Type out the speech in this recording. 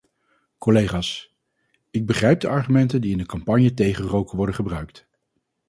Collega's, ik begrijp de argumenten die in de campagne tegen roken worden gebruikt.